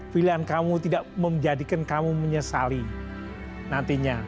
pilihan kamu tidak menjadikan kamu menyesali nantinya